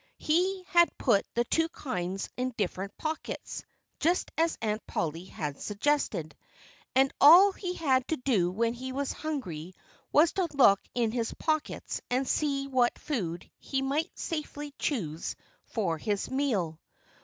He had put the two kinds in different pockets, just as Aunt Polly had suggested. And all he had to do when he was hungry was to look into his pockets and see what food he might safely choose for his meal.